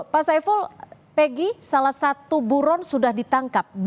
pak saiful peggy salah satu buron sudah ditangkap